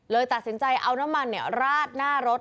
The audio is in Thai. ตัดสินใจเอาน้ำมันราดหน้ารถ